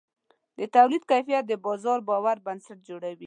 د تولید کیفیت د بازار د باور بنسټ جوړوي.